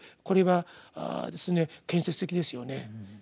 これは建設的ですよね。